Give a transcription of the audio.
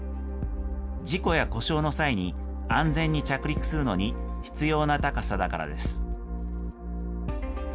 事故や故障の際に、安全に着陸するのに必要な高さだからです。